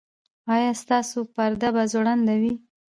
ایا ستاسو پرده به ځوړنده وي؟